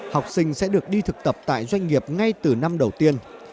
học sinh sẽ được đi thực tập tại doanh nghiệp ngay từ năm đầu tiên